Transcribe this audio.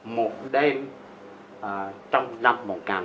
một đêm trong năm một nghìn chín trăm sáu mươi sáu